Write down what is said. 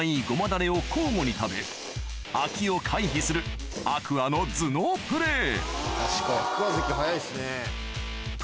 だれを交互に食べ飽きを回避する天空海の頭脳プレー